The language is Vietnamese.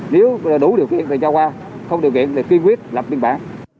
nếu đủ điều kiện thì cho qua không điều kiện thì quyên quyết lập biên bản